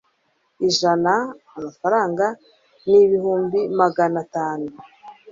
ijana (.frw) n'ibihumbi magana atanu (.frw)